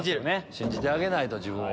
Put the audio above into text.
信じてあげないと自分を。